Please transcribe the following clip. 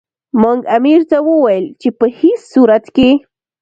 موږ امیر ته وویل چې په هیڅ صورت کې.